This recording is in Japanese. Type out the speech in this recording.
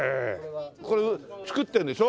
これ作ってるんでしょ？